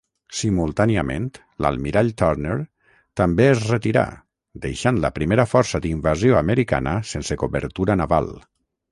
Simultàniament l'almirall Turner també es retirà, deixant la primera força d'invasió americana sense cobertura naval.